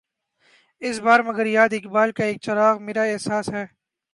اس بار مگر یاد اقبال کا ایک چراغ، میرا احساس ہے